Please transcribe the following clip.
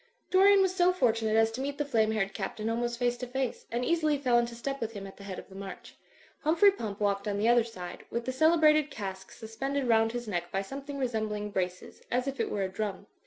Dorian was so fortunate as to meet the flame haired Captain almost face to face, and easily fell into step with him at the head of the march. Hum phrey Pump walked on the other side, with the cele brated cask suspended roimd his neck by something resembling braces, as if it were a drum.